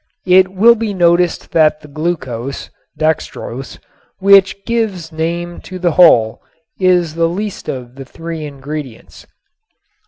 It will be noticed that the glucose (dextrose), which gives name to the whole, is the least of the three ingredients.